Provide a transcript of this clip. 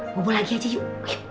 bubur lagi aja yuk